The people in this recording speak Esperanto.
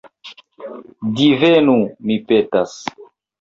Divenu, mi petas.